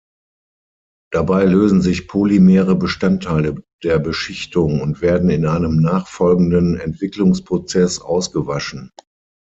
Dabei lösen sich polymere Bestandteile der Beschichtung und werden in einem nachfolgenden Entwicklungsprozess ausgewaschen.